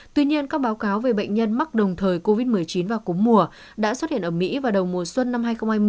tuy nhiên các báo cáo về bệnh nhân mắc đồng thời covid một mươi chín và cúm mùa đã xuất hiện ở mỹ vào đầu mùa xuân năm hai nghìn hai mươi